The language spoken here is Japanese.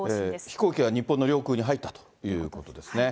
飛行機が日本の領空に入ったということですね。